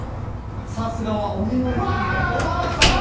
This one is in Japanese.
さすがはオレオレ詐欺でおばあさまを。